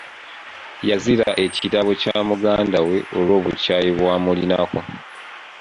Yazira ekirabo kya muganda we lw'obukyayi bw'amulinako.